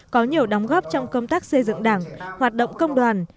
có nhiều đóng góp trong công tác xây dựng đảng hoạt động công đoàn